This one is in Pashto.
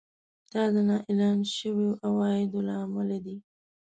دا د نااعلان شويو عوایدو له امله دی